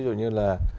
thí dụ như là